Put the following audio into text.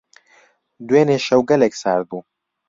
دوێنێ شەو گەلێک سارد بوو.